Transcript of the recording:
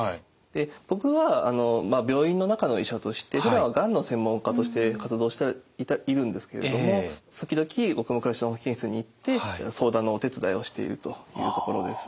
僕は病院の中の医者としてふだんはがんの専門家として活動しているんですけれども時々僕も「暮らしの保健室」に行って相談のお手伝いをしているというところです。